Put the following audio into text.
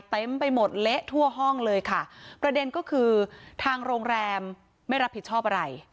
เต็มไปหมดเละทั่วห้องเลยค่ะประเด็นก็คือทางโรงแรมไม่รับผิดชอบอะไร